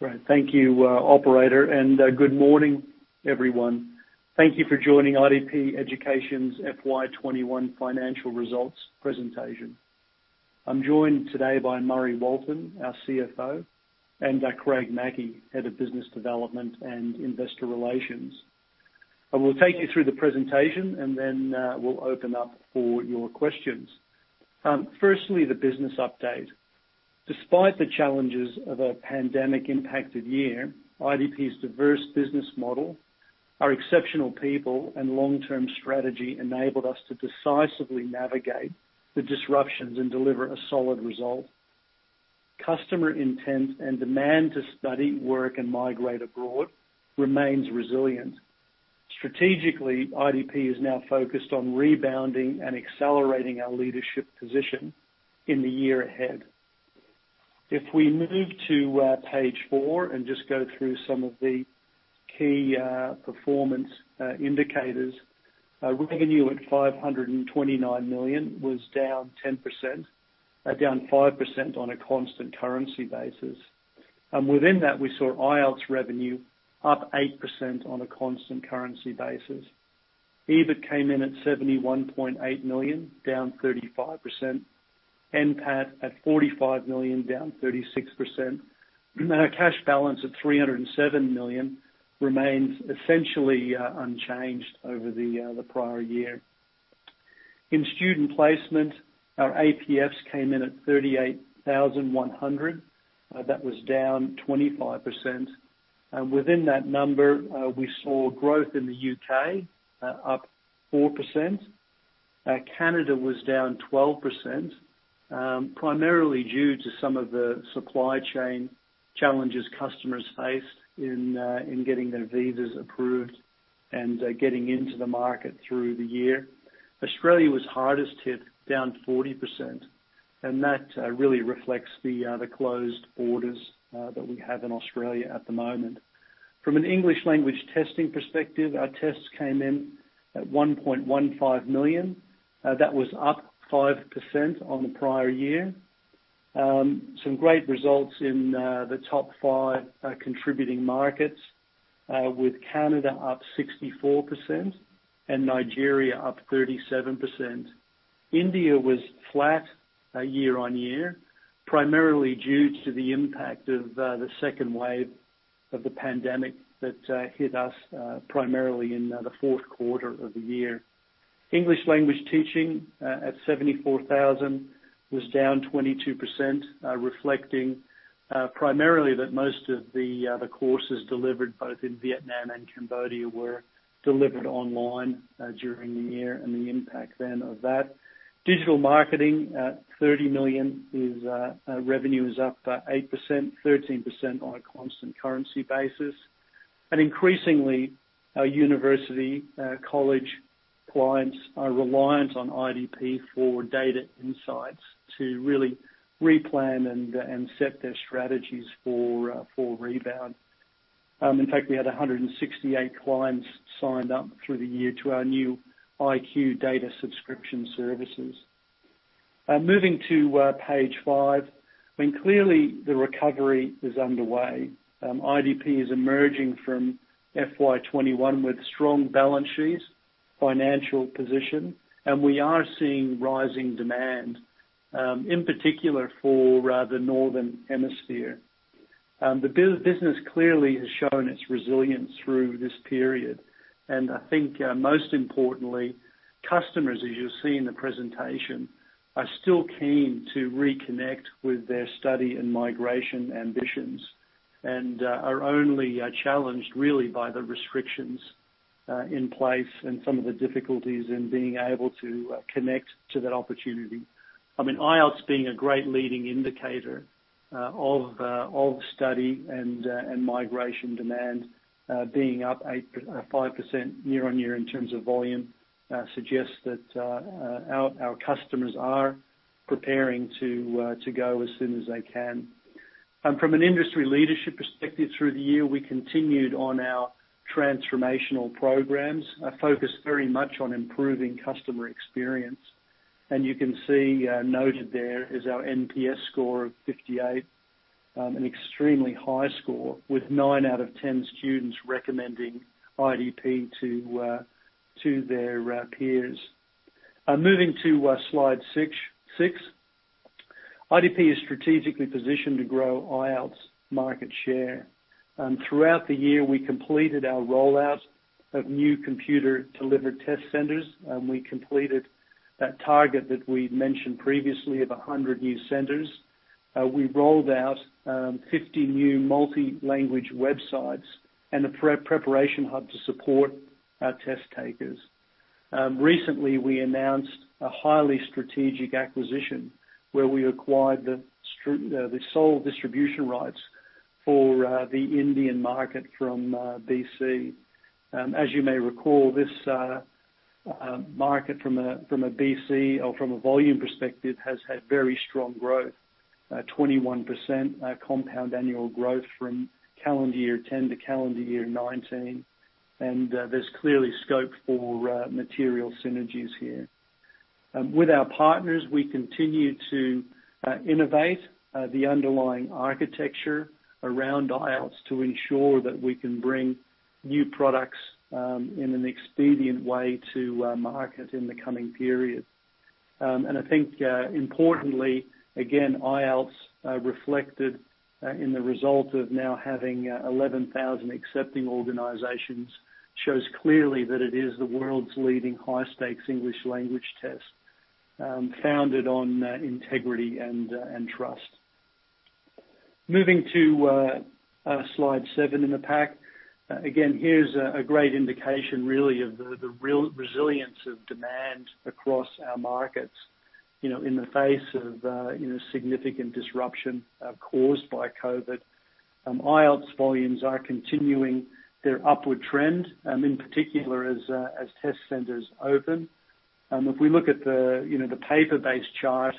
Great. Thank you, operator, good morning, everyone. Thank you for joining IDP Education's FY 2021 financial results presentation. I'm joined today by Murray Walton, our CFO, and Craig Mackey, Head of Business Development and Investor Relations. I will take you through the presentation, and then we'll open up for your questions. Firstly, the business update. Despite the challenges of a pandemic-impacted year, IDP's diverse business model, our exceptional people, and long-term strategy enabled us to decisively navigate the disruptions and deliver a solid result. Customer intent and demand to study, work, and migrate abroad remains resilient. Strategically, IDP is now focused on rebounding and accelerating our leadership position in the year ahead. If we move to Page four and just go through some of the key performance indicators. Revenue at 529 million was down 10%, down 5% on a constant currency basis. Within that, we saw IELTS revenue up 8% on a constant currency basis. EBIT came in at 71.8 million, down 35%, NPAT at 45 million, down 36%. Our cash balance of 307 million remains essentially unchanged over the prior year. In student placement, our APFs came in at 38,100. That was down 25%. Within that number, we saw growth in the U.K., up 4%. Canada was down 12%, primarily due to some of the supply chain challenges customers faced in getting their visas approved and getting into the market through the year. Australia was hardest hit, down 40%, and that really reflects the closed borders that we have in Australia at the moment. From an English language testing perspective, our tests came in at 1.15 million. That was up 5% on the prior year. Some great results in the top five contributing markets, with Canada up 64% and Nigeria up 37%. India was flat year-on-year, primarily due to the impact of the second wave of the pandemic that hit us primarily in the fourth quarter of the year. English language teaching at 74,000 was down 22%, reflecting primarily that most of the courses delivered both in Vietnam and Cambodia were delivered online during the year and the impact then of that. Digital marketing at 30 million revenue is up 8%, 13% on a constant currency basis. Increasingly, our university college clients are reliant on IDP for data insights to really replan and set their strategies for rebound. In fact, we had 168 clients signed up through the year to our new IQ data subscription services. Moving to Page five. Clearly, the recovery is underway. IDP is emerging from FY 2021 with strong balance sheets, financial position, and we are seeing rising demand, in particular for the northern hemisphere. The business clearly has shown its resilience through this period, and I think most importantly, customers, as you will see in the presentation, are still keen to reconnect with their study and migration ambitions and are only challenged really by the restrictions in place and some of the difficulties in being able to connect to that opportunity. IELTS being a great leading indicator of study and migration demand, being up 5% year-on-year in terms of volume suggests that our customers are preparing to go as soon as they can. From an industry leadership perspective through the year, we continued on our transformational programs, focused very much on improving customer experience. You can see noted there is our NPS score of 58, an extremely high score with 9 out of 10 students recommending IDP to their peers. Moving to Slide six. IDP is strategically positioned to grow IELTS market share. Throughout the year, we completed our rollout of new computer-delivered test centers, and we completed that target that we mentioned previously of 100 new centers. We rolled out 50 new multi-language websites and a preparation hub to support our test takers. Recently, we announced a highly strategic acquisition where we acquired the sole distribution rights for the Indian market from BC. As you may recall, this market from a BC or from a volume perspective, has had very strong growth, 21% compound annual growth from calendar year 2010 to calendar year 2019. There's clearly scope for material synergies here. With our partners, we continue to innovate the underlying architecture around IELTS to ensure that we can bring new products in an expedient way to market in the coming period. I think, importantly, again, IELTS reflected in the result of now having 11,000 accepting organizations, shows clearly that it is the world's leading high-stakes English language test, founded on integrity and trust. Moving to Slide seven in the pack. Again, here's a great indication really of the real resilience of demand across our markets in the face of significant disruption caused by COVID. IELTS volumes are continuing their upward trend, in particular as test centers open. If we look at the paper-based chart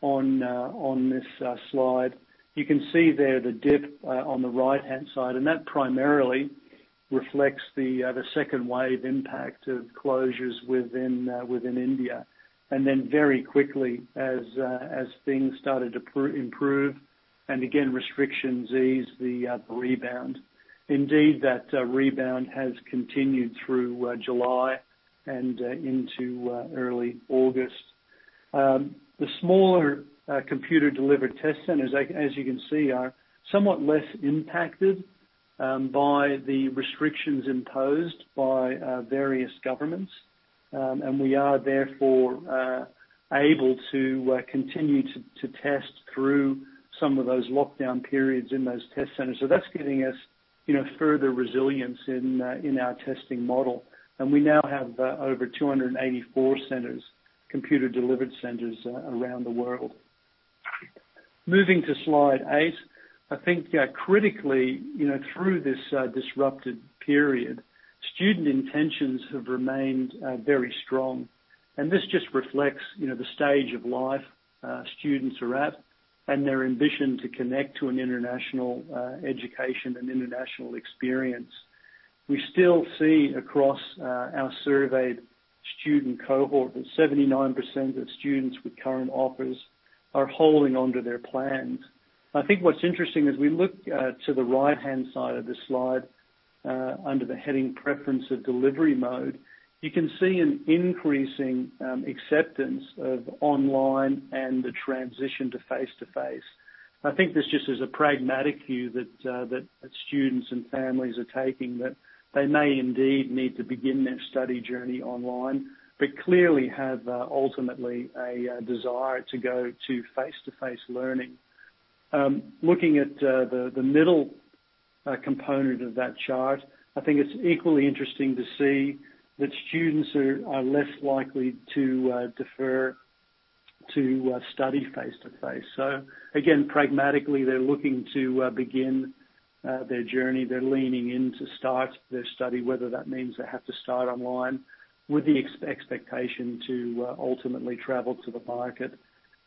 on this slide, you can see there the dip on the right-hand side, and that primarily reflects the second wave impact of closures within India. Very quickly, as things started to improve and again, restrictions ease, the rebound. Indeed, that rebound has continued through July and into early August. The smaller computer-delivered test centers, as you can see, are somewhat less impacted by the restrictions imposed by various governments, and we are therefore able to continue to test through some of those lockdown periods in those test centers. That's giving us further resilience in our testing model. We now have over 284 centers, computer-delivered centers around the world. Moving to Slide eight. I think critically, through this disrupted period, student intentions have remained very strong, and this just reflects the stage of life students are at and their ambition to connect to an international education and international experience. We still see across our surveyed student cohort that 79% of students with current offers are holding onto their plans. I think what's interesting as we look to the right-hand side of the slide under the heading Preference of Delivery Mode, you can see an increasing acceptance of online and the transition to face-to-face. I think this just is a pragmatic view that students and families are taking, that they may indeed need to begin their study journey online, but clearly have ultimately a desire to go to face-to-face learning. Looking at the middle component of that chart, I think it's equally interesting to see that students are less likely to defer to study face-to-face. Again, pragmatically, they're looking to begin their journey. They're leaning in to start their study, whether that means they have to start online with the expectation to ultimately travel to the market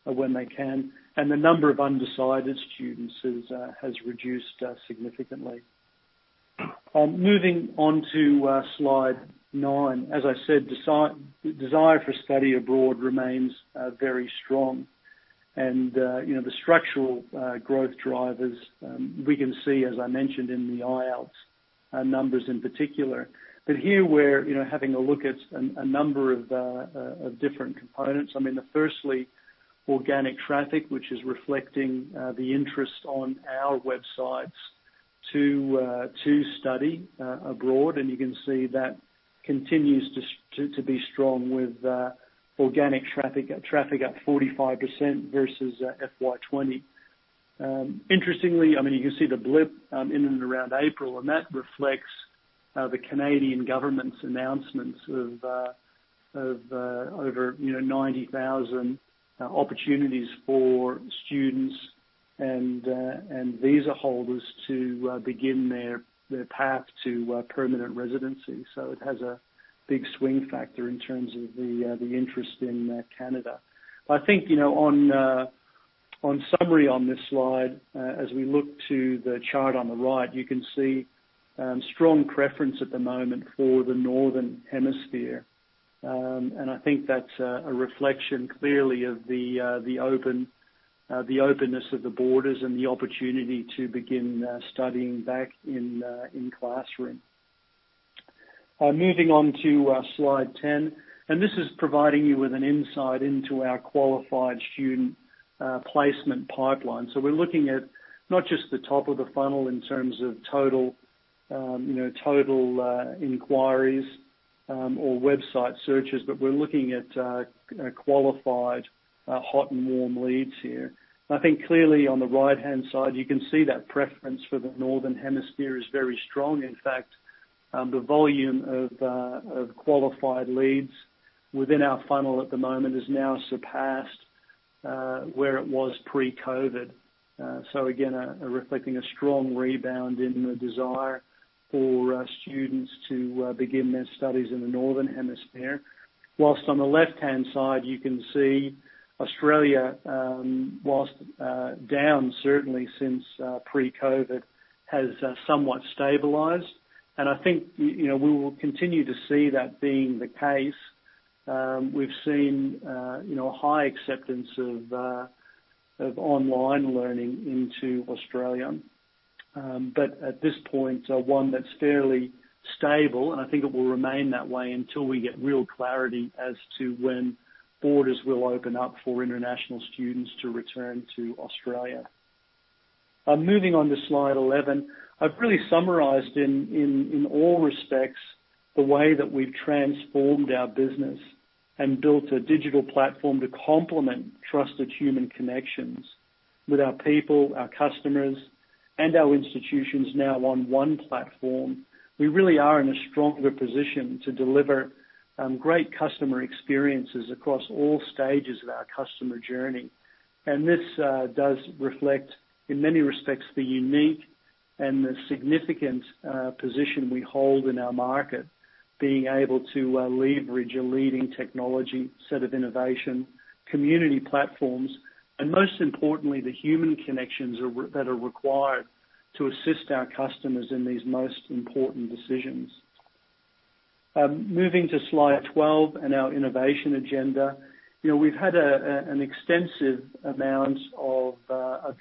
when they can. The number of undecided students has reduced significantly. Moving on to Slide nine. As I said, desire for study abroad remains very strong. The structural growth drivers, we can see, as I mentioned in the IELTS numbers in particular. Here we're having a look at a number of different components. I mean, firstly, organic traffic, which is reflecting the interest on our websites to study abroad. You can see that continues to be strong with organic traffic up 45% versus FY 2020. Interestingly, you can see the blip in and around April, and that reflects the Canadian government's announcements of over 90,000 opportunities for students and visa holders to begin their path to permanent residency. It has a big swing factor in terms of the interest in Canada. I think, on summary on this slide, as we look to the chart on the right, you can see strong preference at the moment for the Northern Hemisphere. I think that's a reflection clearly of the openness of the borders and the opportunity to begin studying back in classroom. Moving on to Slide 10. This is providing you with an insight into our qualified student placement pipeline. We're looking at not just the top of the funnel in terms of total inquiries or website searches, but we're looking at qualified hot and warm leads here. I think clearly on the right-hand side, you can see that preference for the Northern Hemisphere is very strong. In fact, the volume of qualified leads within our funnel at the moment has now surpassed where it was pre-COVID. Again, reflecting a strong rebound in the desire for students to begin their studies in the Northern Hemisphere. On the left-hand side, you can see Australia, whilst down certainly since pre-COVID, has somewhat stabilized. I think we will continue to see that being the case. We've seen high acceptance of online learning into Australia. At this point, one that's fairly stable, and I think it will remain that way until we get real clarity as to when borders will open up for international students to return to Australia. Moving on to Slide 11. I've really summarized in all respects, the way that we've transformed our business and built a digital platform to complement trusted human connections with our people, our customers, and our institutions now on one platform. We really are in a stronger position to deliver great customer experiences across all stages of our customer journey. This does reflect, in many respects, the unique and the significant position we hold in our market, being able to leverage a leading technology set of innovation, community platforms, and most importantly, the human connections that are required to assist our customers in these most important decisions. Moving to Slide 12 and our innovation agenda. We've had an extensive amount of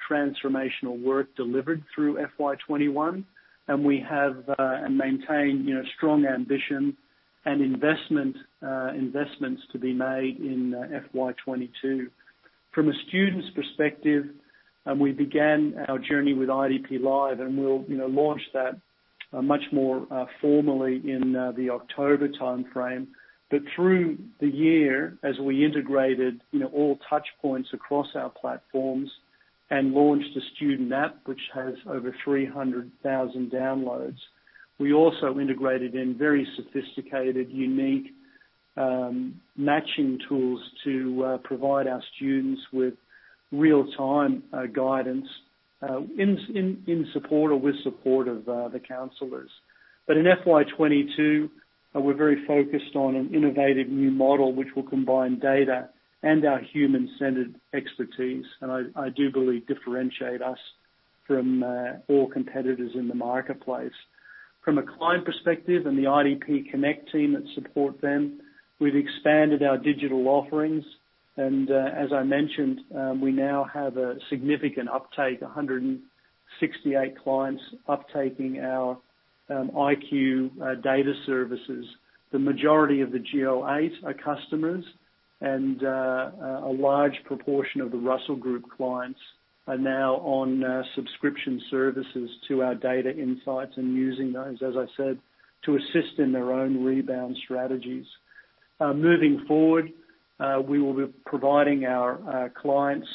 transformational work delivered through FY 2021, and we have and maintain strong ambition and investments to be made in FY 2022. From a student's perspective, we began our journey with IDP Live, and we'll launch that much more formally in the October timeframe. Through the year, as we integrated all touch points across our platforms and launched a student app which has over 300,000 downloads. We also integrated in very sophisticated, unique matching tools to provide our students with real-time guidance in support or with support of the counselors. In FY 2022, we're very focused on an innovative new model which will combine data and our human-centered expertise, and I do believe differentiate us from all competitors in the marketplace. From a client perspective and the IDP Connect team that support them, we've expanded our digital offerings. As I mentioned, we now have a significant uptake, 168 clients uptaking our IQ data services. The majority of the Go8 are customers, and a large proportion of the Russell Group clients are now on subscription services to our data insights and using those, as I said, to assist in their own rebound strategies. Moving forward, we will be providing our clients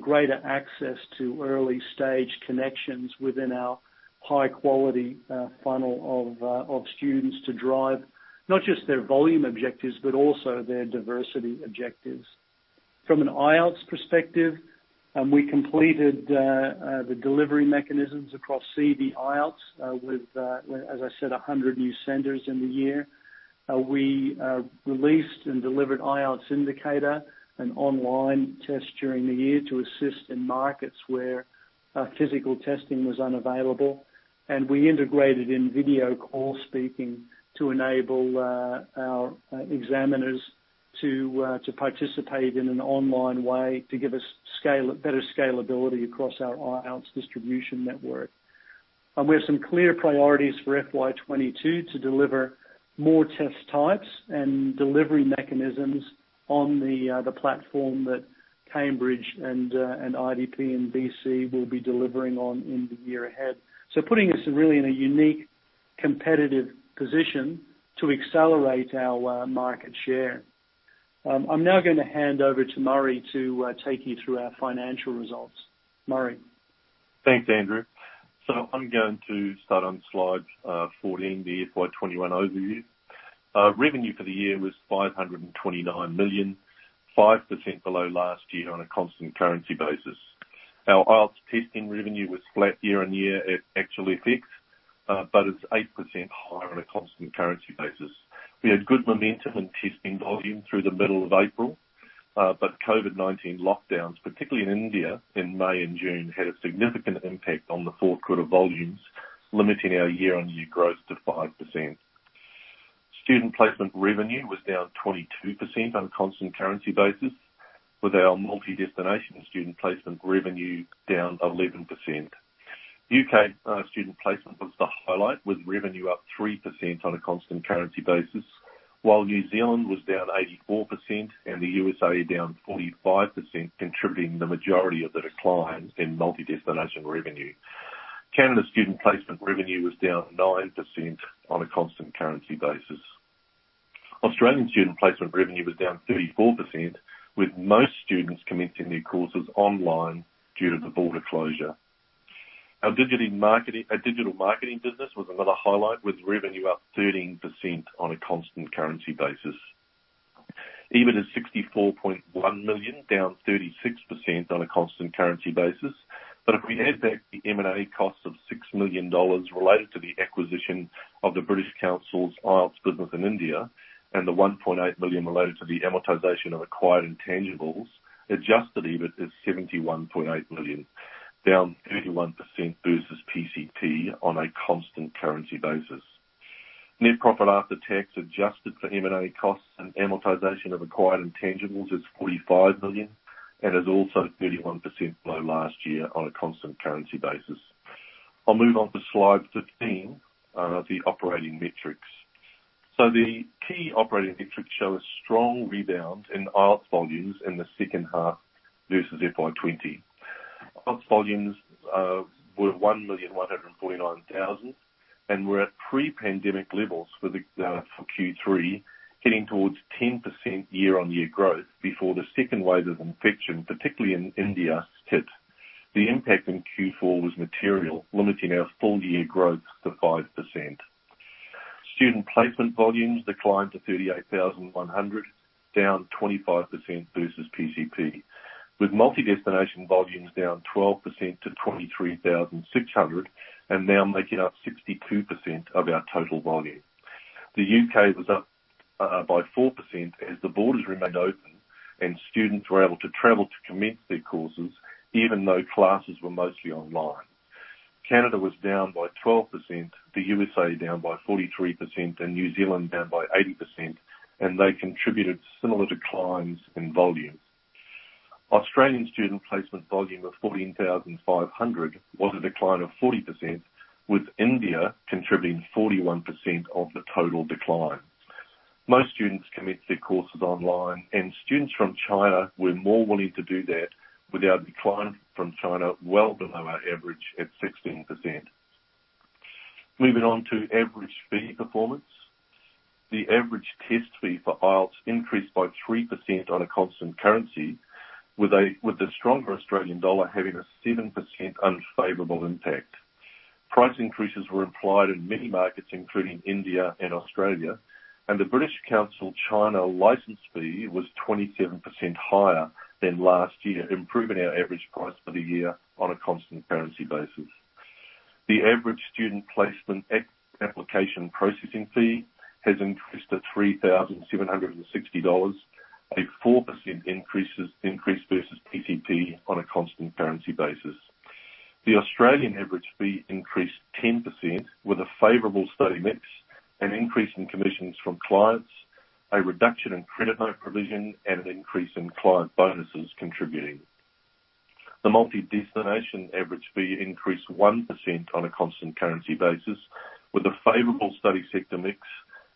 greater access to early-stage connections within our high-quality funnel of students to drive not just their volume objectives but also their diversity objectives. From an IELTS perspective, we completed the delivery mechanisms across CD IELTS with, as I said, 100 new centers in the year. We released and delivered IELTS Indicator, an online test during the year to assist in markets where physical testing was unavailable. We integrated in video call speaking to enable our examiners to participate in an online way to give us better scalability across our IELTS distribution network. We have some clear priorities for FY 2022 to deliver more test types and delivery mechanisms on the platform that Cambridge and IDP and BC will be delivering on in the year ahead, putting us really in a unique competitive position to accelerate our market share. I'm now going to hand over to Murray to take you through our financial results. Murray? Thanks, Andrew. I'm going to start on Slide 14, the FY 2021 overview. Revenue for the year was 529 million, 5% below last year on a constant currency basis. Our IELTS testing revenue was flat year-on-year at actual FX, but it's 8% higher on a constant currency basis. We had good momentum in testing volume through the middle of April, but COVID-19 lockdowns, particularly in India in May and June, had a significant impact on the fourth quarter volumes, limiting our year-on-year growth to 5%. Student placement revenue was down 22% on a constant currency basis, with our multi-destination student placement revenue down 11%. U.K. student placement was the highlight, with revenue up 3% on a constant currency basis, while New Zealand was down 84% and the U.S.A. down 45%, contributing the majority of the decline in multi-destination revenue. Canada student placement revenue was down 9% on a constant currency basis. Australian student placement revenue was down 34%, with most students commencing their courses online due to the border closure. Our digital marketing business was another highlight, with revenue up 13% on a constant currency basis. EBIT is 64.1 million, down 36% on a constant currency basis. If we add back the M&A cost of 6 million dollars related to the acquisition of the British Council's IELTS business in India and the 1.8 million related to the amortization of acquired intangibles, adjusted EBIT is 71.8 million, down 31% versus pcp on a constant currency basis. Net profit after tax, adjusted for M&A costs and amortization of acquired intangibles is 45 million, and is also 31% below last year on a constant currency basis. I'll move on to Slide 15, the operating metrics. The key operating metrics show a strong rebound in IELTS volumes in the second half versus FY 2020. IELTS volumes were 1,149,000 and were at pre-pandemic levels for Q3, heading towards 10% year-on-year growth before the second wave of infection, particularly in India, hit. The impact in Q4 was material, limiting our full-year growth to 5%. Student placement volumes declined to 38,100, down 25% versus pcp, with multi-destination volumes down 12% to 23,600 and now making up 62% of our total volume. The U.K. was up by 4% as the borders remained open, and students were able to travel to commence their courses, even though classes were mostly online. Canada was down by 12%, the U.S.A. down by 43%, and New Zealand down by 80%, and they contributed similar declines in volume. Australian student placement volume of 14,500 was a decline of 40%, with India contributing 41% of the total decline. Most students commenced their courses online, and students from China were more willing to do that with our decline from China well below our average at 16%. Moving on to average fee performance. The average test fee for IELTS increased by 3% on a constant currency, with the stronger Australian dollar having a 7% unfavorable impact. Price increases were applied in many markets, including India and Australia, and the British Council China license fee was 27% higher than last year, improving our average price for the year on a constant currency basis. The average student placement application processing fee has increased to 3,760 dollars, a 4% increase versus pcp on a constant currency basis. The Australian average fee increased 10%, with a favorable study mix, an increase in commissions from clients, a reduction in credit note provision, and an increase in client bonuses contributing. The multi-destination average fee increased 1% on a constant currency basis, with a favorable study sector mix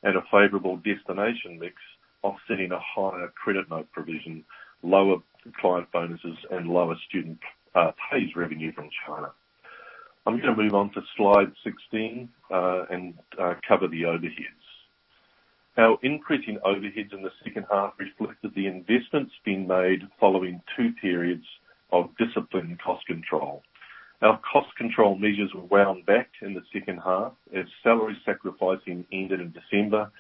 and a favorable destination mix offsetting a higher credit note provision, lower client bonuses, and lower student pays revenue from China. I'm going to move on to Slide 16, and cover the overheads. Our increase in overheads in the second half reflected the investments being made following two periods of disciplined cost control. Our cost control measures were wound back in the second half as salary sacrificing ended in December,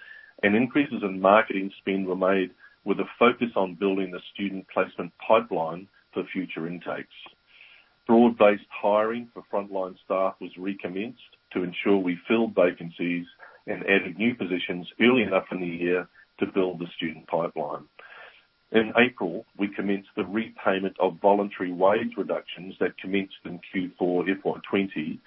and increases in marketing spend were made with a focus on building a student placement pipeline for future intakes. Broad-based hiring for frontline staff was recommenced to ensure we filled vacancies and added new positions early enough in the year to build the student pipeline. In April, we commenced the repayment of voluntary wage reductions that commenced in Q4 FY 2020,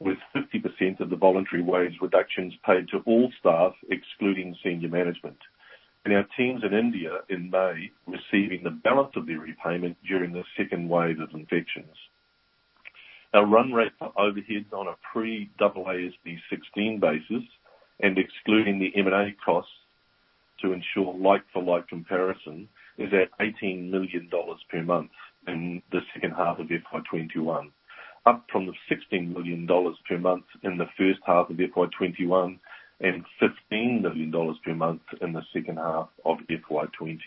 with 50% of the voluntary wage reductions paid to all staff, excluding senior management, and our teams in India in May receiving the balance of their repayment during the second wave of infections. Our run rate for overheads on a pre-AASB 16 basis and excluding the M&A costs to ensure like-for-like comparison is at 18 million dollars per month in the second half of FY 2021, up from the 16 million dollars per month in the first half of FY 2021 and 15 million dollars per month in the second half of FY 2020.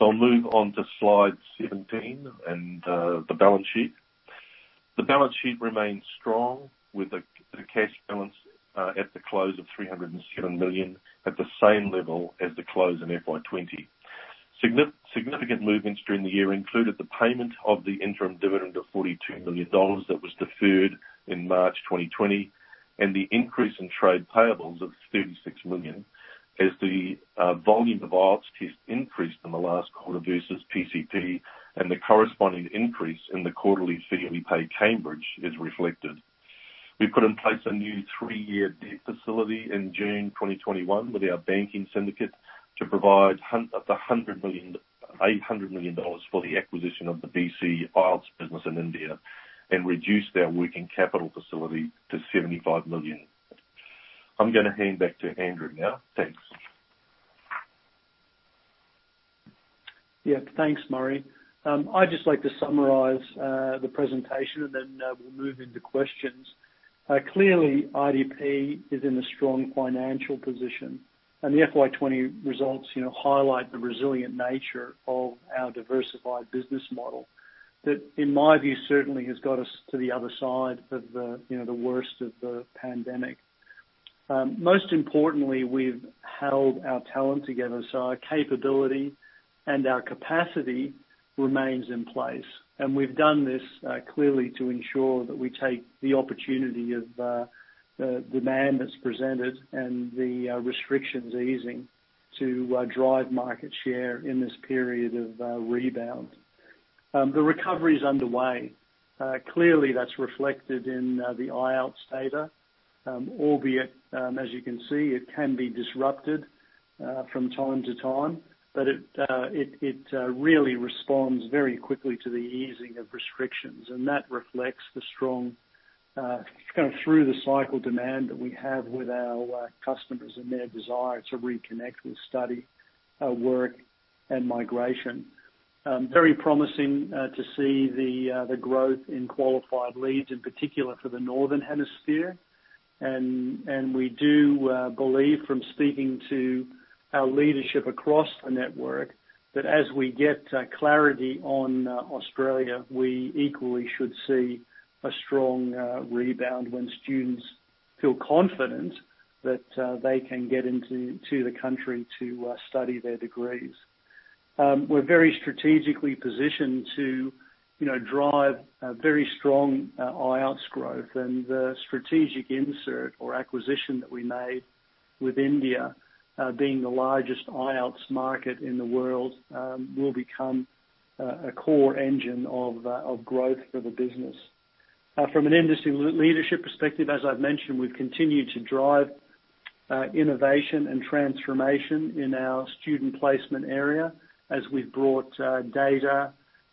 I'll move on to Slide 17 and the balance sheet. The balance sheet remains strong with the cash balance at the close of 307 million at the same level as the close in FY 2020. Significant movements during the year included the payment of the interim dividend of 42 million dollars that was deferred in March 2020 and the increase in trade payables of 36 million as the volume of IELTS tests increased in the last quarter versus pcp and the corresponding increase in the quarterly fee we pay Cambridge is reflected. We put in place a new three-year debt facility in June 2021 with our banking syndicate to provide up to 800 million dollars for the acquisition of the BC IELTS business in India and reduce our working capital facility to 75 million. I'm going to hand back to Andrew now. Thanks. Yeah. Thanks, Murray. I'd just like to summarize the presentation, then we'll move into questions. Clearly, IDP is in a strong financial position, the FY 2020 results highlight the resilient nature of our diversified business model that, in my view, certainly has got us to the other side of the worst of the pandemic. Most importantly, we've held our talent together, our capability and our capacity remains in place. We've done this clearly to ensure that we take the opportunity of demand that's presented and the restrictions easing to drive market share in this period of rebound. The recovery is underway. Clearly, that's reflected in the IELTS data, albeit, as you can see, it can be disrupted from time to time. It really responds very quickly to the easing of restrictions, and that reflects the strong kind of through-the-cycle demand that we have with our customers and their desire to reconnect with study, work, and migration. Very promising to see the growth in qualified leads, in particular for the northern hemisphere. We do believe, from speaking to our leadership across the network, that as we get clarity on Australia, we equally should see a strong rebound when students feel confident that they can get into the country to study their degrees. We're very strategically positioned to drive a very strong IELTS growth. The strategic insert or acquisition that we made with India, being the largest IELTS market in the world, will become a core engine of growth for the business. From an industry leadership perspective, as I've mentioned, we've continued to drive innovation and transformation in our student placement area as we've brought data,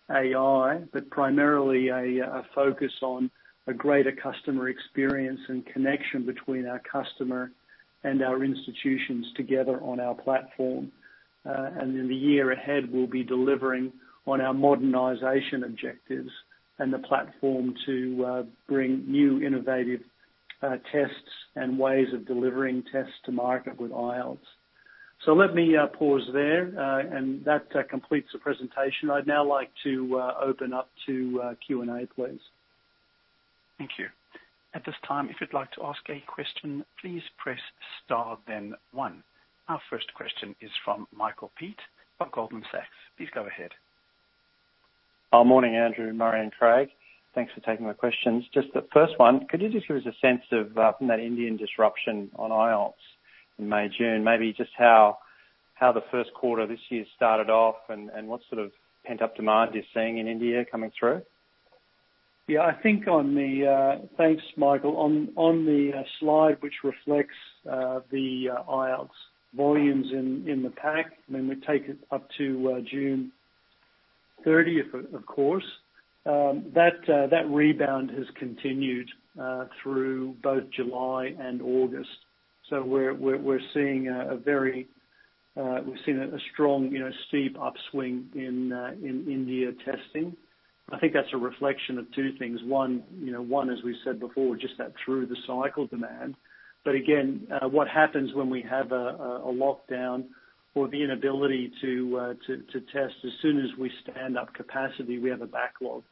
AI, but primarily a focus on a greater customer experience and connection between our customer and our institutions together on our platform. In the year ahead, we'll be delivering on our modernization objectives and the platform to bring new, innovative tests and ways of delivering tests to market with IELTS. Let me pause there, and that completes the presentation. I'd now like to open up to Q&A, please. Thank you. At this time if you would like to ask a question please press star one. Our first question is from Michael Peet of Goldman Sachs. Please go ahead. Morning, Andrew, Murray, and Craig. Thanks for taking my questions. Just the first one, could you just give us a sense of, from that Indian disruption on IELTS in May, June, maybe just how the first quarter this year started off and what sort of pent-up demand you're seeing in India coming through? Yeah. Thanks, Michael. On the slide which reflects the IELTS volumes in the pack, and then we take it up to June 30th, of course. That rebound has continued through both July and August. We're seeing a strong, steep upswing in India testing. I think that's a reflection of two things. One, as we said before, just that through-the-cycle demand. Again, what happens when we have a lockdown or the inability to test, as soon as we stand up capacity, we have a backlog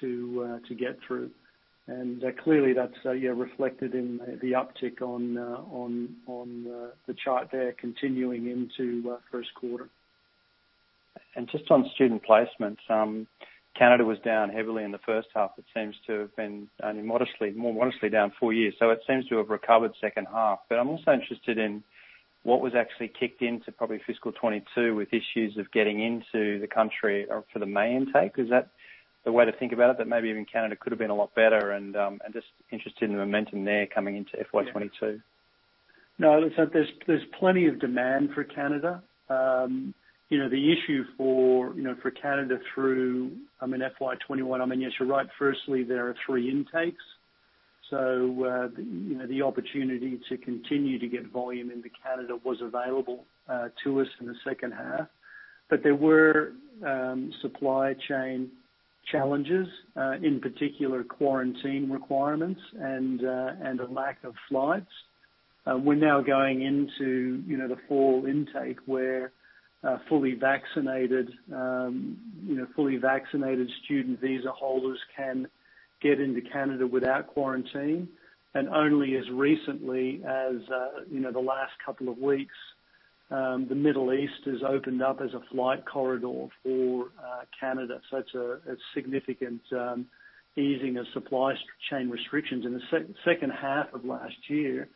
to get through. Clearly, that's reflected in the uptick on the chart there continuing into first quarter. Just on student placements, Canada was down heavily in the first half. It seems to have been only more modestly down four years. It seems to have recovered second half. I am also interested in what was actually kicked into probably FY 2022 with issues of getting into the country or for the May intake. Is that the way to think about it? Maybe even Canada could have been a lot better and just interested in the momentum there coming into FY 2022. No, look, there's plenty of demand for Canada. The issue for Canada through FY 2021, yes, you're right. Firstly, there are three intakes. The opportunity to continue to get volume into Canada was available to us in the second half. There were supply chain challenges, in particular, quarantine requirements and a lack of flights. We're now going into the fall intake where fully vaccinated student visa holders can get into Canada without quarantine. Only as recently as the last couple of weeks, the Middle East has opened up as a flight corridor for Canada. It's a significant easing of supply chain restrictions. In the second half of last year,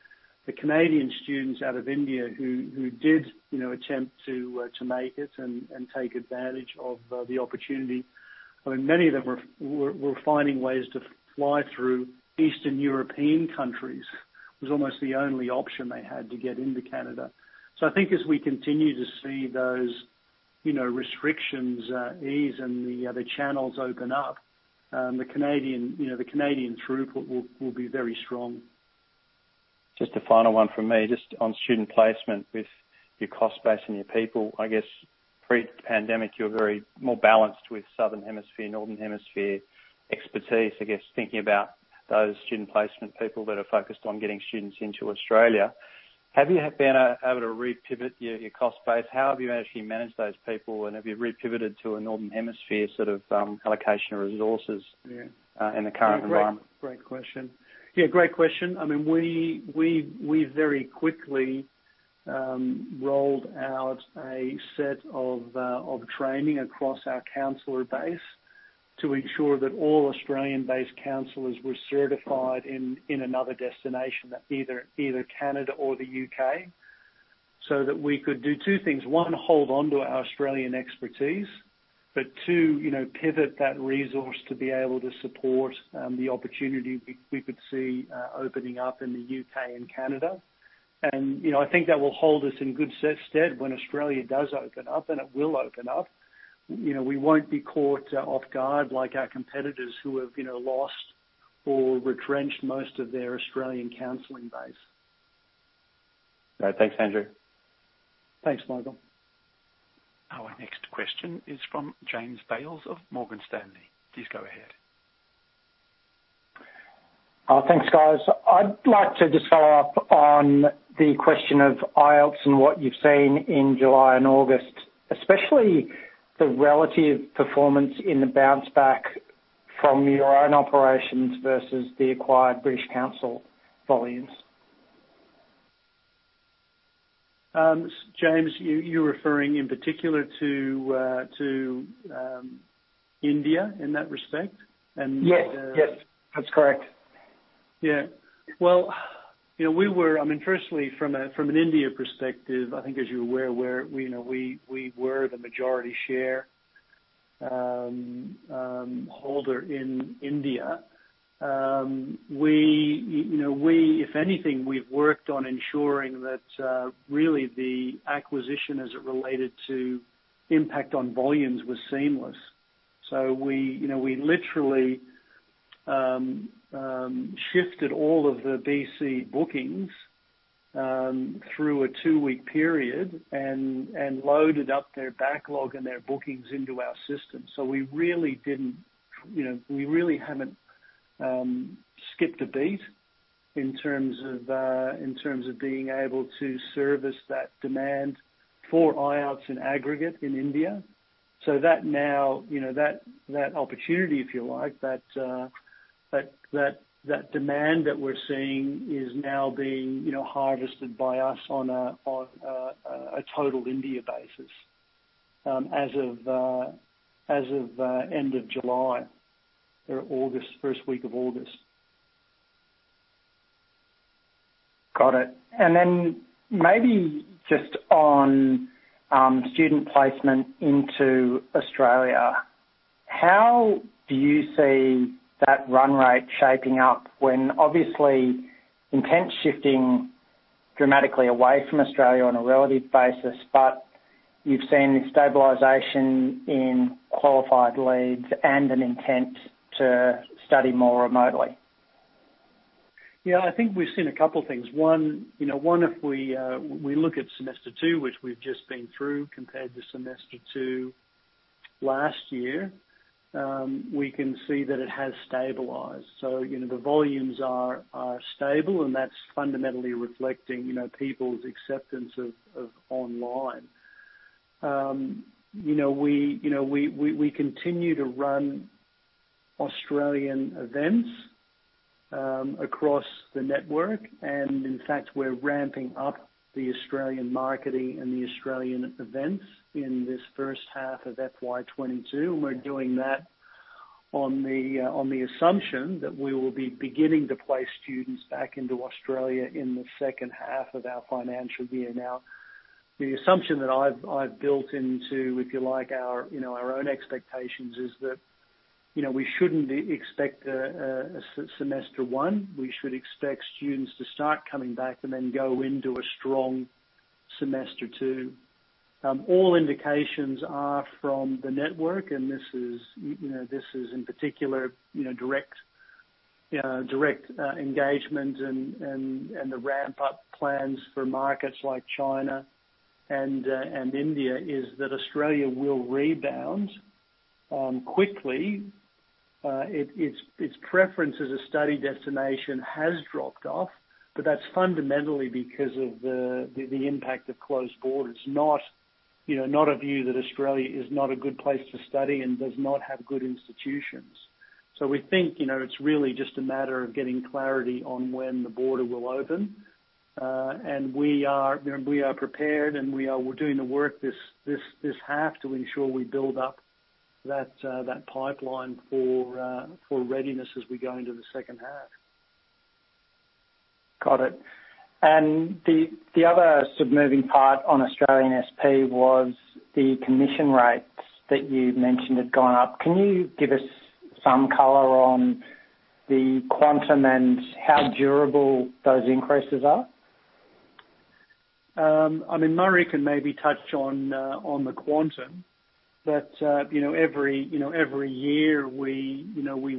the Canadian students out of India who did attempt to make it and take advantage of the opportunity, many of them were finding ways to fly through Eastern European countries. It was almost the only option they had to get into Canada. I think as we continue to see those restrictions ease and the other channels open up, the Canadian throughput will be very strong. Just a final one from me. Just on student placement with your cost base and your people. I guess pre-pandemic, you were more balanced with Southern Hemisphere, Northern Hemisphere expertise. I guess thinking about those student placement people that are focused on getting students into Australia. Have you been able to re-pivot your cost base? How have you actually managed those people, and have you re-pivoted to a Northern Hemisphere sort of allocation of resources? Yeah in the current environment? Great question. Yeah, great question. We very quickly rolled out a set of training across our counselor base to ensure that all Australian-based counselors were certified in another destination, either Canada or the U.K. That we could do two things. One, hold onto our Australian expertise, but two, pivot that resource to be able to support the opportunity we could see opening up in the U.K. and Canada. I think that will hold us in good stead when Australia does open up, and it will open up. We won't be caught off guard like our competitors who have lost or retrenched most of their Australian counseling base. Right. Thanks, Andrew. Thanks, Michael. Our next question is from James Bales of Morgan Stanley. Please go ahead. Thanks, guys. I'd like to just follow up on the question of IELTS and what you've seen in July and August, especially the relative performance in the bounce back from your own operations versus the acquired British Council volumes. James, you're referring in particular to India in that respect? Yes. That's correct. Yeah. Well, firstly, from an India perspective, I think as you are aware, we were the majority shareholder in India. If anything, we've worked on ensuring that really the acquisition as it related to impact on volumes was seamless. We literally shifted all of the BC bookings through a two-week period and loaded up their backlog and their bookings into our system. We really haven't skipped a beat in terms of being able to service that demand for IELTS in aggregate in India. That now, that opportunity, if you like, that demand that we are seeing is now being harvested by us on a total India basis as of end of July or first week of August. Got it. Maybe just on student placement into Australia. How do you see that run rate shaping up when obviously intent's shifting dramatically away from Australia on a relative basis, but you've seen stabilization in qualified leads and an intent to study more remotely? I think we have seen a couple things. If we look at semester 2, which we have just been through, compared to semester 2 last year, we can see that it has stabilized. The volumes are stable, and that is fundamentally reflecting people's acceptance of online. We continue to run Australian events across the network. In fact, we are ramping up the Australian marketing and the Australian events in this first half of FY 2022, and we are doing that on the assumption that we will be beginning to place students back into Australia in the second half of our financial year. The assumption that I have built into, if you like, our own expectations is that we should not expect a semester 1. We should expect students to start coming back and then go into a strong semester 2. All indications are from the network, this is in particular direct engagement and the ramp-up plans for markets like China and India, is that Australia will rebound quickly. Its preference as a study destination has dropped off, that's fundamentally because of the impact of closed borders, not a view that Australia is not a good place to study and does not have good institutions. We think it's really just a matter of getting clarity on when the border will open. We are prepared, and we're doing the work this half to ensure we build up that pipeline for readiness as we go into the second half. Got it. The other sort of moving part on Australian SP was the commission rates that you mentioned had gone up. Can you give us some color on the quantum and how durable those increases are? Murray can maybe touch on the quantum, but every year we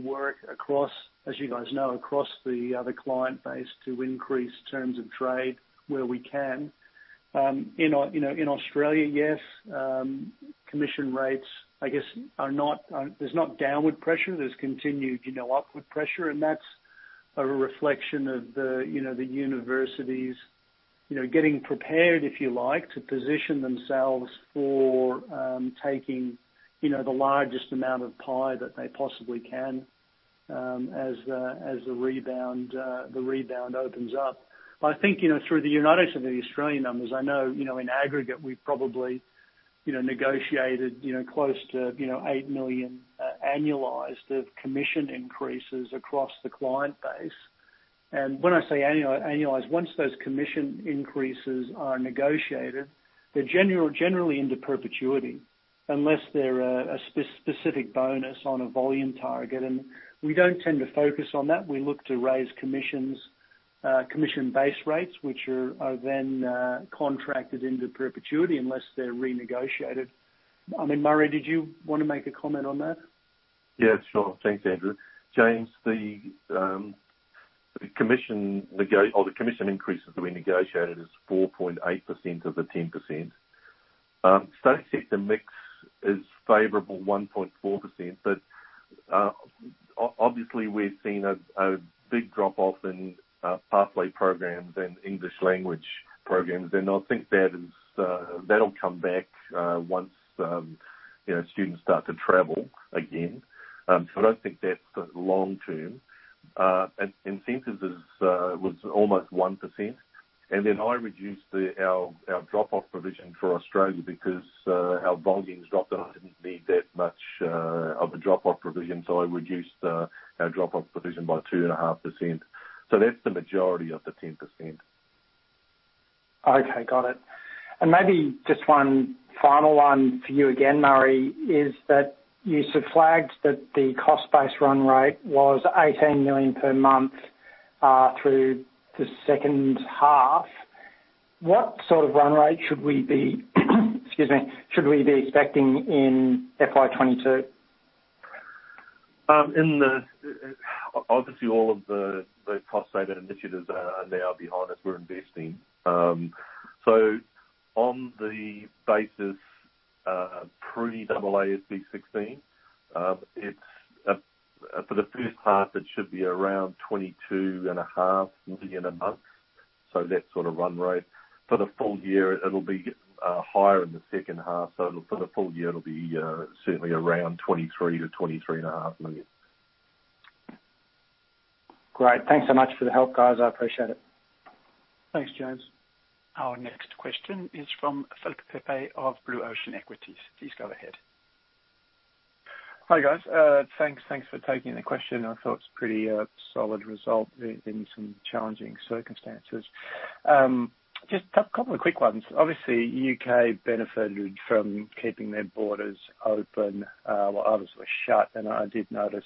work across, as you guys know, across the other client base to increase terms of trade where we can. In Australia, yes, commission rates, I guess, there's not downward pressure. There's continued upward pressure, and that's a reflection of the universities getting prepared, if you like, to position themselves for taking the largest amount of pie that they possibly can as the rebound opens up. But I think through the United and the Australian numbers, I know, in aggregate, we probably negotiated close to 8 million annualized of commission increases across the client base. When I say annualized, once those commission increases are negotiated, they're generally into perpetuity unless they're a specific bonus on a volume target. We don't tend to focus on that. We look to raise commission base rates, which are then contracted into perpetuity unless they're renegotiated. I mean, Murray, did you want to make a comment on that? Yes, sure. Thanks, Andrew. James, the commission increases that we negotiated is 4.8% of the 10%. Study sector mix is favorable 1.4%, but obviously we've seen a big drop-off in pathway programs and English language programs. I think that'll come back once students start to travel again. I don't think that's long term. Incentives was almost 1%. I reduced our drop-off provision for Australia because our volume's dropped and I didn't need that much of a drop-off provision. I reduced our drop-off provision by 2.5%. That's the majority of the 10%. Okay, got it. Maybe just one final one for you again, Murray, is that you sort of flagged that the cost base run rate was 18 million per month through the second half. What sort of run rate should we be expecting in FY 2022? Obviously all of the cost-saving initiatives are now behind us, we're investing. On the basis pre-AASB 16, for the first half, it should be around 22.5 million a month. That sort of run rate. For the full-year, it'll be higher in the second half. For the full-year, it'll be certainly around 23 million-23.5 million. Great. Thanks so much for the help, guys. I appreciate it. Thanks, James. Our next question is from Philip Pepe of Blue Ocean Equities. Please go ahead. Hi, guys. Thanks for taking the question. I thought it's pretty a solid result in some challenging circumstances. Just a couple of quick ones. Obviously, U.K. benefited from keeping their borders open while others were shut. I did notice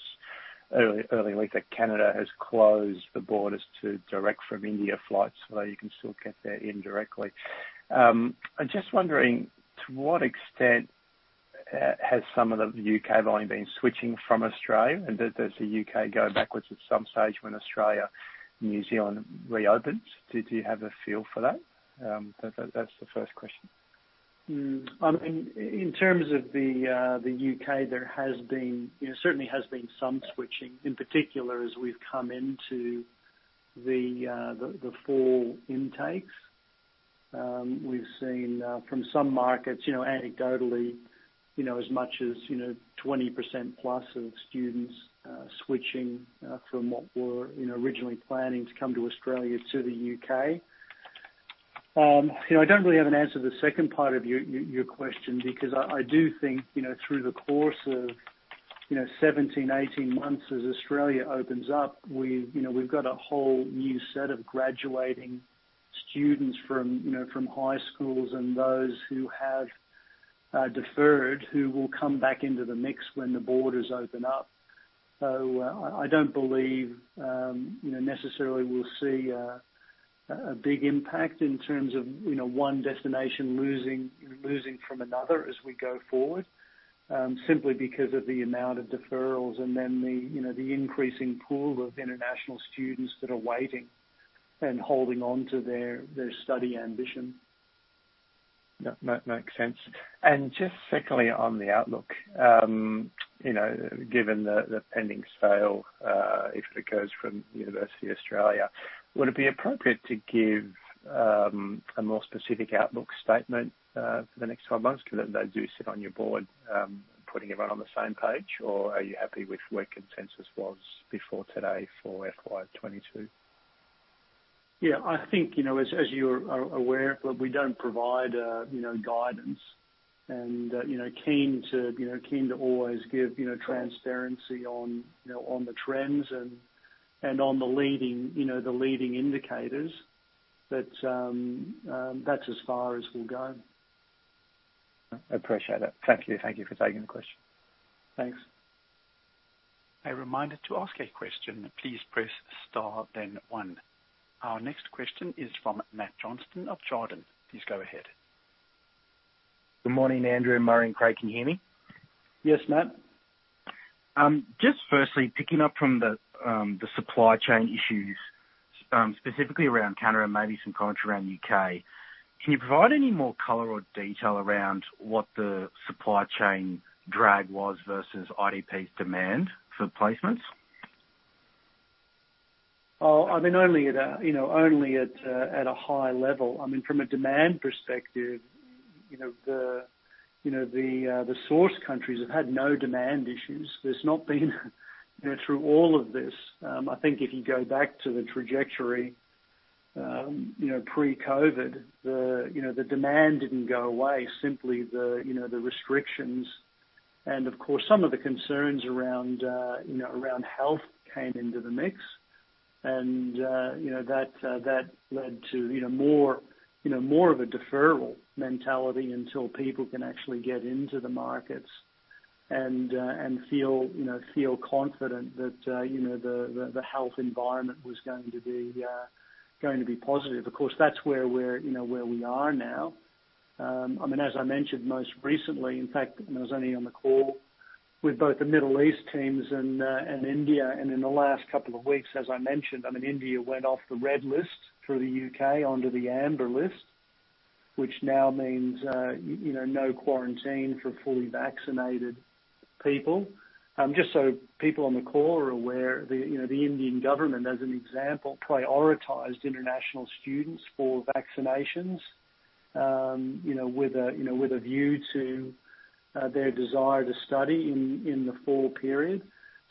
early that Canada has closed the borders to direct from India flights, although you can still get there indirectly. I'm just wondering, to what extent has some of the U.K. volume been switching from Australia? Does the U.K. go backwards at some stage when Australia and New Zealand reopens? Did you have a feel for that? That's the first question. In terms of the U.K., there certainly has been some switching, in particular as we've come into the fall intakes. We've seen from some markets anecdotally as much as 20%+ of students switching from what were originally planning to come to Australia, to the U.K. I don't really have an answer to the second part of your question because I do think through the course of 17, 18 months as Australia opens up, we've got a whole new set of graduating students from high schools and those who have deferred who will come back into the mix when the borders open up. I don't believe necessarily we'll see a big impact in terms of one destination losing from another as we go forward, simply because of the amount of deferrals and then the increasing pool of international students that are waiting and holding on to their study ambition. That makes sense. just secondly, on the outlook, given the pending sale, if it occurs from Universities Australia, would it be appropriate to give a more specific outlook statement for the next 12 months? Because they do sit on your board, putting everyone on the same page, or are you happy with where consensus was before today for FY 2022? I think, as you're aware, we don't provide guidance and keen to always give transparency on the trends and on the leading indicators, but that's as far as we'll go. I appreciate it. Thank you. Thank you for taking the question. Thanks. A reminder to ask a question, please press star then 1. Our next question is from Matt Johnston of Jarden. Please go ahead. Good morning, Andrew, Murray and Craig. Can you hear me? Yes, Matt. Firstly, picking up from the supply chain issues, specifically around Canada and maybe some comments around U.K., can you provide any more color or detail around what the supply chain drag was versus IDP's demand for placements? Only at a high level. From a demand perspective the source countries have had no demand issues. There's not been through all of this. I think if you go back to the trajectory Pre-COVID, the demand didn't go away, simply the restrictions and of course, some of the concerns around health came into the mix. That led to more of a deferral mentality until people can actually get into the markets and feel confident that the health environment was going to be positive. Of course, that's where we are now. As I mentioned most recently, in fact, I was only on the call with both the Middle East teams and India. In the last couple of weeks, as I mentioned, India went off the red list through the U.K. onto the amber list, which now means no quarantine for fully vaccinated people. Just so people on the call are aware, the Indian government, as an example, prioritized international students for vaccinations with a view to their desire to study in the fall period.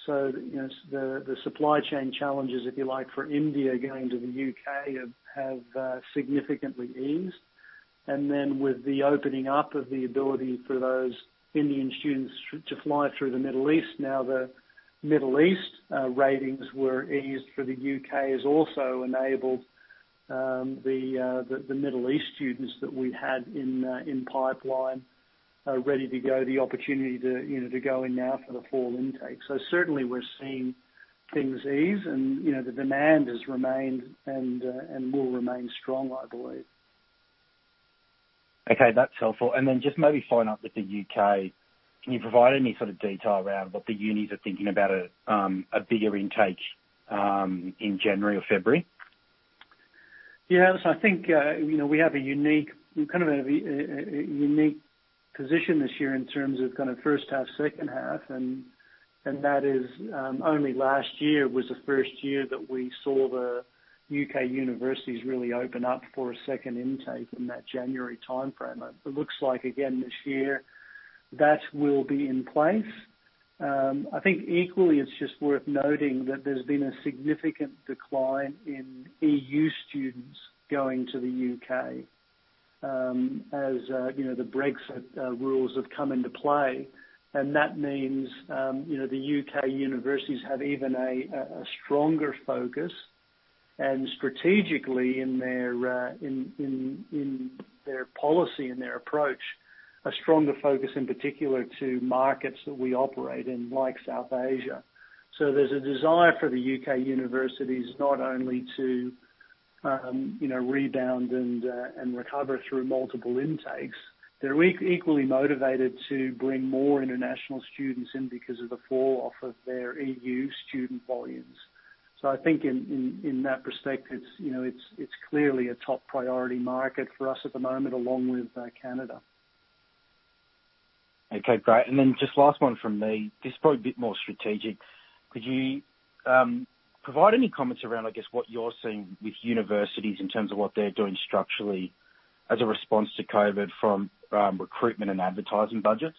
The supply chain challenges, if you like, for India going to the U.K. have significantly eased. Then with the opening up of the ability for those Indian students to fly through the Middle East, now the Middle East ratings were eased for the U.K. has also enabled the Middle East students that we had in pipeline, ready to go, the opportunity to go in now for the fall intake. Certainly, we're seeing things ease and the demand has remained and will remain strong, I believe. Okay. That's helpful. Then just maybe follow up with the U.K. Can you provide any sort of detail around what the unis are thinking about a bigger intake in January or February? Yes. I think we have a unique position this year in terms of first half, second half, and that is only last year was the first year that we saw the U.K. universities really open up for a second intake in that January timeframe. It looks like again this year, that will be in place. I think equally it's just worth noting that there's been a significant decline in EU students going to the U.K. as the Brexit rules have come into play. That means the U.K. universities have even a stronger focus and strategically in their policy and their approach, a stronger focus in particular to markets that we operate in, like South Asia. There's a desire for the U.K. universities not only to rebound and recover through multiple intakes. They're equally motivated to bring more international students in because of the fall-off of their EU student volumes. I think in that respect, it's clearly a top priority market for us at the moment, along with Canada. Okay. Great. Just last one from me. This is probably a bit more strategic. Could you provide any comments around, I guess, what you're seeing with universities in terms of what they're doing structurally as a response to COVID from recruitment and advertising budgets?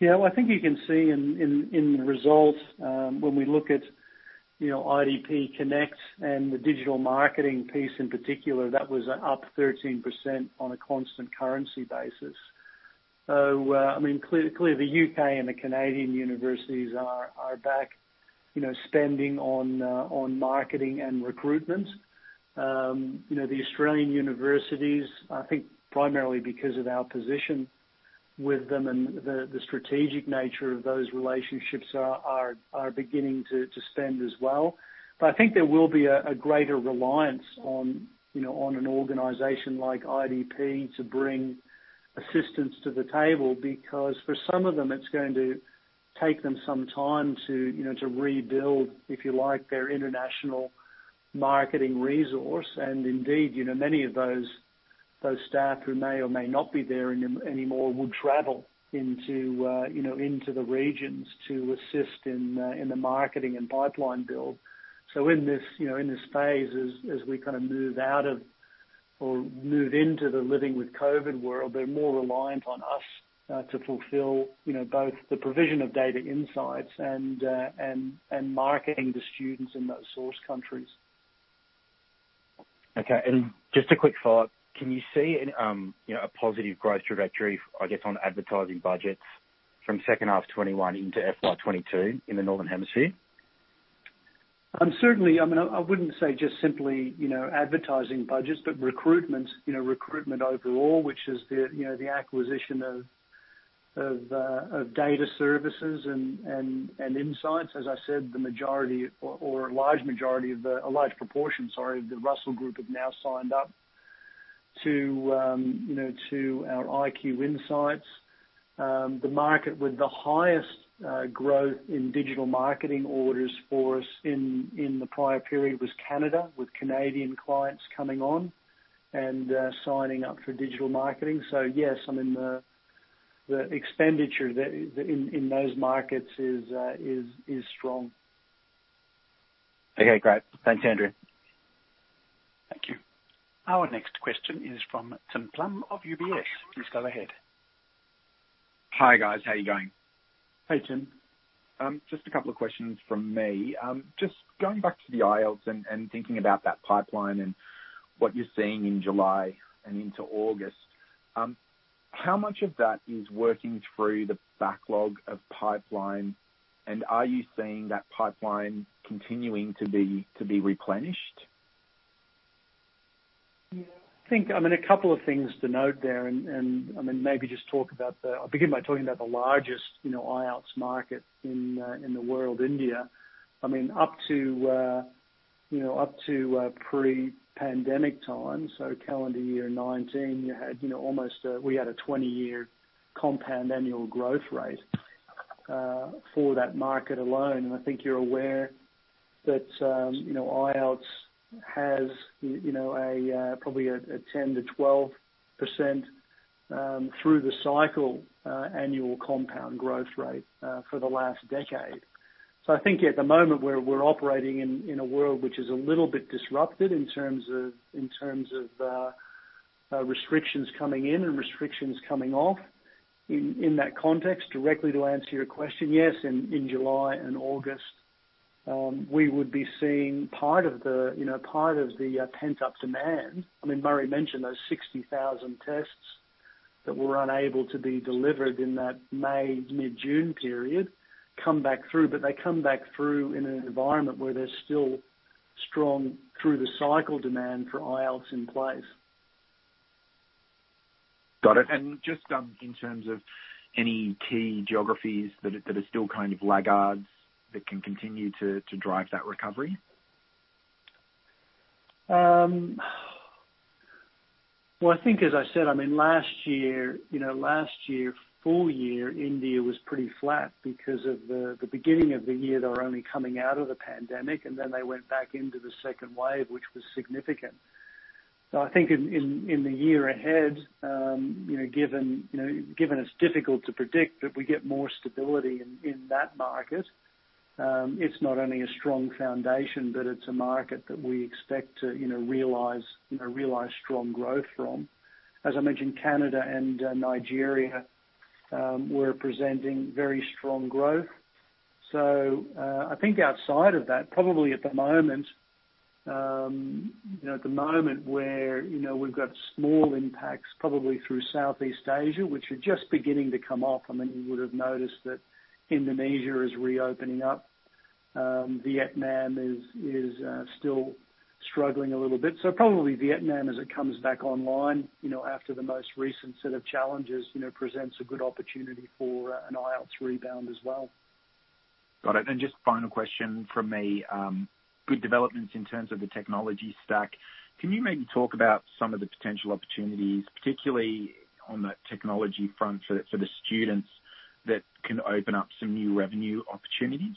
I think you can see in the results when we look at IDP Connect and the digital marketing piece in particular, that was up 13% on a constant currency basis. Clearly, the U.K. and the Canadian universities are back spending on marketing and recruitment. The Australian universities, I think primarily because of our position with them and the strategic nature of those relationships are beginning to spend as well. I think there will be a greater reliance on an organization like IDP to bring assistance to the table, because for some of them, it's going to take them some time to rebuild, if you like, their international marketing resource. Indeed, many of those staff who may or may not be there anymore would travel into the regions to assist in the marketing and pipeline build. In this phase, as we kind of move out of or move into the living with COVID world, they're more reliant on us to fulfill both the provision of data insights and marketing to students in those source countries. Okay. Just a quick follow-up. Can you see a positive growth trajectory, I guess, on advertising budgets from second half 2021 into FY 2022 in the Northern Hemisphere? Certainly. I wouldn't say just simply advertising budgets, but recruitment overall, which is the acquisition of data services and insights. As I said, the majority or a large majority of a large proportion, sorry, of the Russell Group have now signed up to our IQ insights. The market with the highest growth in digital marketing orders for us in the prior period was Canada, with Canadian clients coming on and signing up for digital marketing. Yes, the expenditure in those markets is strong. Okay, great. Thanks, Andrew. Thank you. Our next question is from Tim Plumbe of UBS. Please go ahead. Hi guys, how are you going? Hey, Tim. A couple of questions from me. Going back to the IELTS and thinking about that pipeline and what you're seeing in July and into August. How much of that is working through the backlog of pipeline, and are you seeing that pipeline continuing to be replenished? I think, a couple of things to note there and maybe just begin by talking about the largest IELTS market in the world, India. Up to pre-pandemic times, so calendar year 2019, we had a 20-year compound annual growth rate for that market alone. I think you're aware that IELTS has probably a 10%-12%, through the cycle, annual compound growth rate for the last decade. I think at the moment, we're operating in a world which is a little bit disrupted in terms of restrictions coming in and restrictions coming off. In that context, directly to answer your question, yes, in July and August, we would be seeing part of the pent-up demand. Murray mentioned those 60,000 tests that were unable to be delivered in that May, mid-June period come back through. They come back through in an environment where there's still strong through-the-cycle demand for IELTS in place. Got it. Just in terms of any key geographies that are still laggards that can continue to drive that recovery? Well, I think, as I said, last year, full-year India was pretty flat because of the beginning of the year, they were only coming out of the pandemic, and then they went back into the second wave, which was significant. I think in the year ahead, given it's difficult to predict, but we get more stability in that market. It's not only a strong foundation, but it's a market that we expect to realize strong growth from. As I mentioned, Canada and Nigeria were presenting very strong growth. I think outside of that, probably at the moment where we've got small impacts probably through Southeast Asia, which are just beginning to come off. You would've noticed that Indonesia is reopening up. Vietnam is still struggling a little bit. Probably Vietnam as it comes back online after the most recent set of challenges presents a good opportunity for an IELTS rebound as well. Got it. Just final question from me. Good developments in terms of the technology stack. Can you maybe talk about some of the potential opportunities, particularly on that technology front for the students that can open up some new revenue opportunities?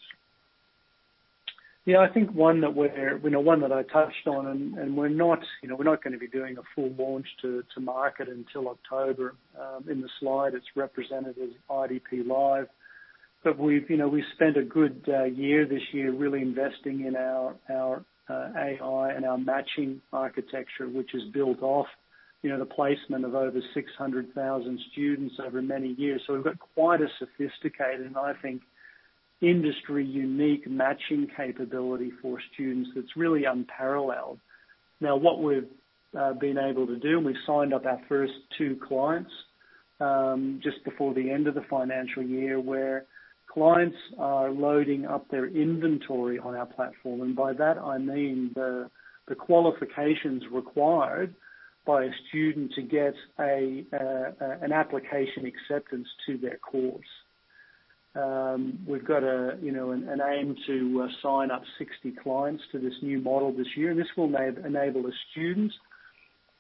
Yeah. I think one that I touched on, we're not going to be doing a full launch to market until October. In the slide, it's represented as IDP Live. We've spent a good year this year really investing in our AI and our matching architecture, which is built off the placement of over 600,000 students over many years. We've got quite a sophisticated, and I think industry-unique matching capability for students that's really unparalleled. Now, what we've been able to do, we've signed up our first two clients just before the end of the financial year, where clients are loading up their inventory on our platform. By that I mean the qualifications required by a student to get an application acceptance to their course. We've got an aim to sign up 60 clients to this new model this year, and this will enable a student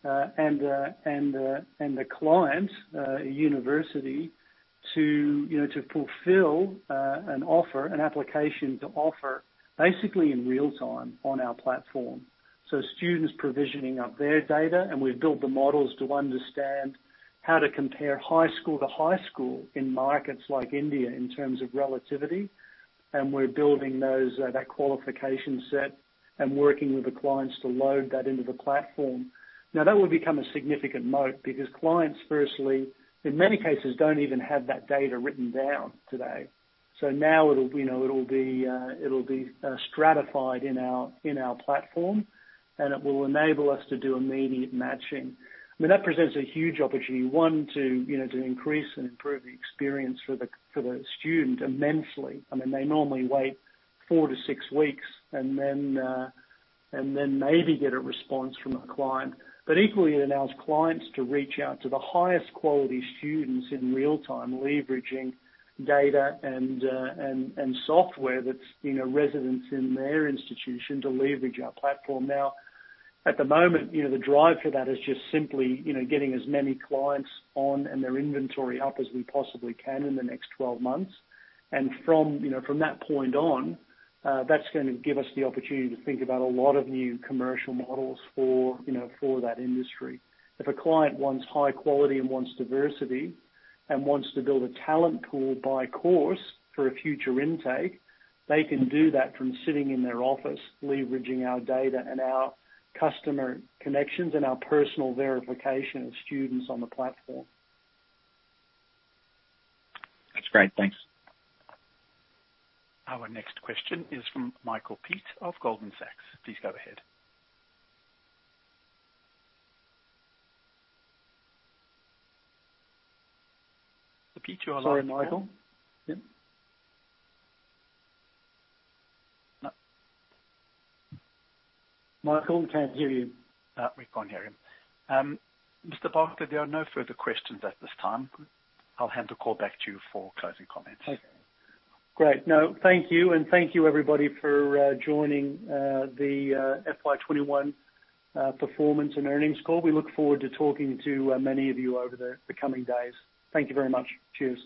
and the client, a university, to fulfill an offer, an application to offer basically in real time on our platform. Students provisioning up their data, and we've built the models to understand how to compare high school to high school in markets like India in terms of relativity. We're building that qualification set and working with the clients to load that into the platform. That will become a significant moat because clients, firstly, in many cases, don't even have that data written down today. Now it'll be stratified in our platform, and it will enable us to do immediate matching. That presents a huge opportunity. One, to increase and improve the experience for the student immensely. They normally wait 4-6 weeks and then maybe get a response from a client. Equally, it allows clients to reach out to the highest quality students in real time, leveraging data and software that's resident in their institution to leverage our platform. Now, at the moment, the drive for that is just simply getting as many clients on and their inventory up as we possibly can in the next 12 months. From that point on, that's going to give us the opportunity to think about a lot of new commercial models for that industry. If a client wants high quality and wants diversity, and wants to build a talent pool by course for a future intake, they can do that from sitting in their office leveraging our data and our customer connections and our personal verification of students on the platform. That's great. Thanks. Our next question is from Michael Peet of Goldman Sachs. Please go ahead. Peet, you are live. Sorry, Michael. Yeah. Michael, we can't hear you. We can't hear him. Mr. Barkla, there are no further questions at this time. I'll hand the call back to you for closing comments. Okay. Great. No, thank you, and thank you everybody for joining the FY 2021 performance and earnings call. We look forward to talking to many of you over the coming days. Thank you very much. Cheers.